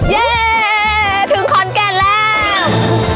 เย่ถึงขอนแก่นแล้ว